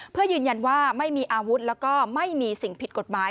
เพื่อยืนยันว่าไม่มีอาวุธแล้วก็ไม่มีสิ่งผิดกฎหมาย